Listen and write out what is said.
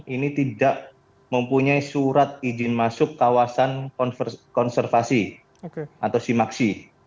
ini tidak mempunyai surat izin masuk kawasan konservasi atau simaksi